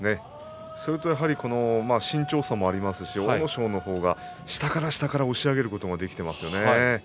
それと身長差がありますし阿武咲の方が下から下から押し上げることができていますよね。